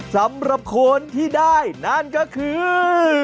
สำหรับคนที่ได้นั่นก็คือ